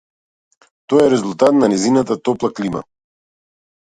Тоа е резултат на нејзината топла клима.